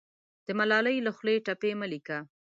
د ملالۍ له خولې ټپې مه لیکه